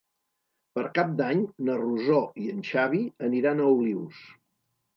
Per Cap d'Any na Rosó i en Xavi aniran a Olius.